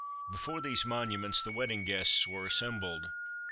Before these monuments the wedding guests were assembled.